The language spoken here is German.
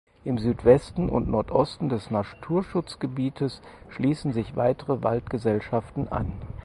Im Südwesten und Nordosten des Naturschutzgebietes schließen sich weitere Waldgesellschaften an.